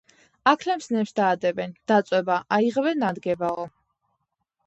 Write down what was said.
აქლემს ნემსს დაადებენ – დაწვება, აიღებენ - ადგებაო